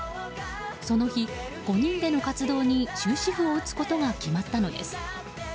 その日、５人での活動に終止符を打つことが決まったのです。